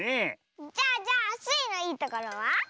じゃあじゃあスイのいいところは？